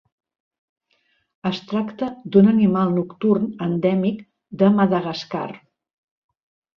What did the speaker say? Es tracta d'un animal nocturn endèmic de Madagascar.